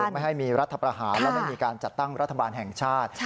ไม่ให้มีรัฐประหารและไม่มีการจัดตั้งรัฐบาลแห่งชาติ